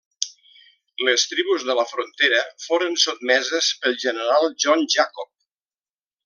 Les tribus de la frontera foren sotmeses pel general John Jacob.